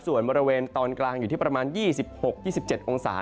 ส่วนบริเวณตอนกลางอยู่ที่ประมาณ๒๖๒๗องศา